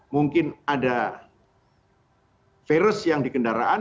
mungkin ada virus yang di kendaraan